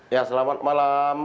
ya selamat malam